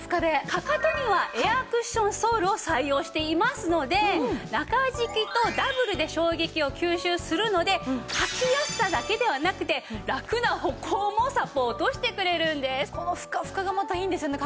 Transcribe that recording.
かかとにはエアクッションソールを採用していますので中敷きとダブルで衝撃を吸収するので履きやすさだけではなくてこのふかふかがまたいいんですよね